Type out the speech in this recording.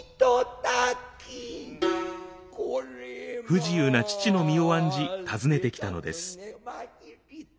不自由な父の身を案じ尋ねてきたのです。